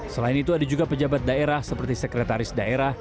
selain itu ada juga pejabat daerah seperti sekretaris daerah